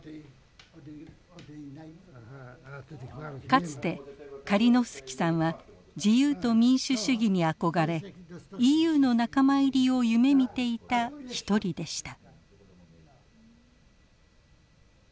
かつてカリノフスキさんは自由と民主主義に憧れＥＵの仲間入りを夢みていた一人でした。